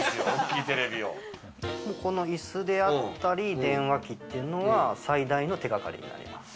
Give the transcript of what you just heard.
この椅子であったり電話機っていうのは、最大の手掛かりになります。